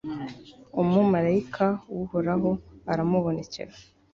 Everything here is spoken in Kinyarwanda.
umumalayika w'uhoraho aramubonekera